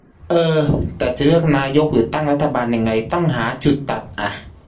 เออ แต่จะเลือกนายกหรือตั้งรัฐบาลยังไง ต้องหาจุดตัดอะ